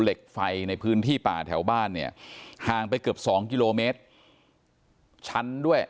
เหล็กไฟในพื้นที่ป่าแถวบ้านเนี่ยห่างไปเกือบสองกิโลเมตรชั้นด้วย